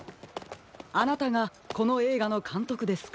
あなたがこのえいがのかんとくですか？